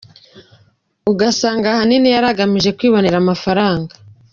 ugasanga ahanini yari agamije kwibonera amafaranga.